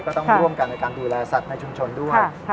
ก็ต้องร่วมกันในการดูแลสัตว์ในชุมชนด้วย